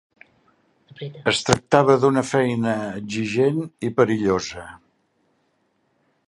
Es tractava d'una feina exigent i perillosa.